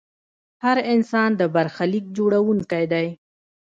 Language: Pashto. هر انسان د برخلیک جوړونکی دی.